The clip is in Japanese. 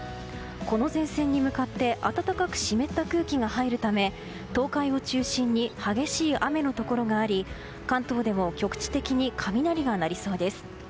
この前線に向かって暖かく湿った空気が入るため東海を中心に激しい雨のところがあり関東でも局地的に雷が鳴りそうです。